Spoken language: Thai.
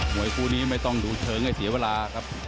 วยคู่นี้ไม่ต้องดูเชิงให้เสียเวลาครับ